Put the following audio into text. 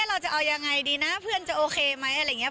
เราจะเอายังไงดีนะเพื่อนจะโอเคไหมอะไรอย่างนี้